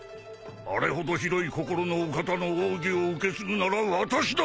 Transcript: あれほど広い心のお方の奥義を受け継ぐなら私だ！